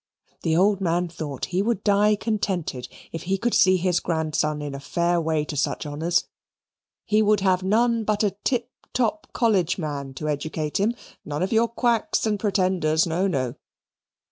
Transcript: The old man thought he would die contented if he could see his grandson in a fair way to such honours. He would have none but a tip top college man to educate him none of your quacks and pretenders no, no.